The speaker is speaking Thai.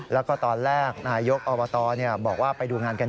แล้วก็ตอนแรกนายกอบตบอกว่าไปดูงานกัน